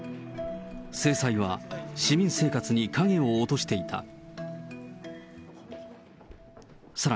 制裁は市民生活に影を落としていた。